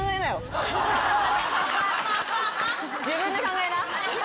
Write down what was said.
自分で考えな！